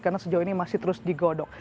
karena sejauh ini masih terus digodok